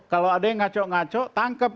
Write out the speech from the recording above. kalau ada yang ngaco ngaco tangkep